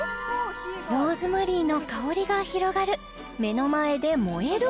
ローズマリーの香りが広がる目の前で燃える